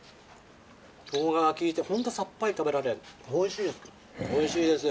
しょうがが効いて、本当、さっぱり食べられる、おいしいです。